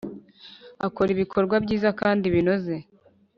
Akora ibikorwa byiza kandi binoze